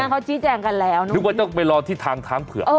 นั่นเขาชี้แจงกันแล้วนึกว่าจะต้องไปรอที่ทางท้้ามเผื่อเออ